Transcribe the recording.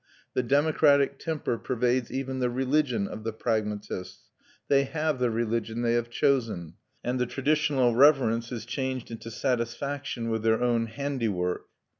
The democratic temper pervades even the religion of the pragmatists; they have the religion they have chosen, and the traditional reverence is changed into satisfaction with their own handiwork.